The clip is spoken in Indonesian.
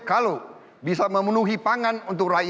kalau bisa memenuhi pangan untuk rakyat